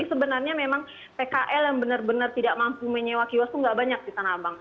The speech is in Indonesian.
jadi sebenarnya memang pkl yang benar benar tidak mampu menyewa kiwas itu nggak banyak di tanah abang